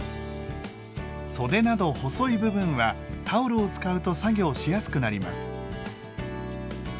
袖など細い部分はタオルを使うと作業しやすくなります。